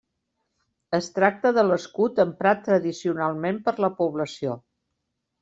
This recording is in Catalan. Es tracta de l'escut emprat tradicionalment per la població.